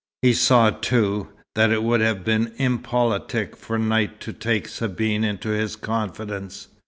He saw too, that it would have been impolitic for Knight to take Sabine into his confidence.